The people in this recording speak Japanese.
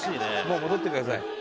もう戻ってください。